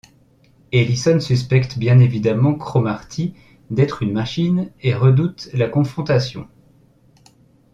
Ellison suspecte bien évidemment Cromartie d'être une machine et redoute la confrontation.